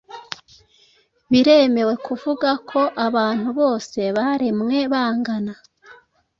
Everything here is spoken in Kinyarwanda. Biremewe kuvuga ko abantu bose baremwe bangana?